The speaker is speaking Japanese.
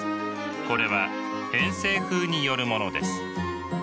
これは偏西風によるものです。